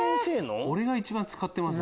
俺が一番使ってます？